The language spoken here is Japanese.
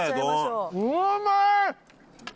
うまい！